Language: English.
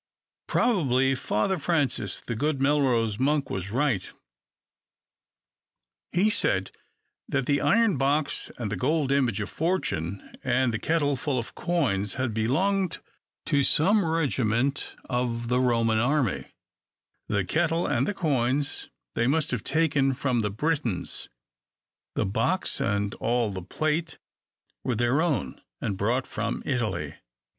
Probably Father Francis, the good Melrose Monk, was right. He said that the iron box and the gold image of Fortune, and the kettle full of coins, had belonged to some regiment of the Roman army: the kettle and the coins, they must have taken from the Britons; the box and all the plate were their own, and brought from Italy.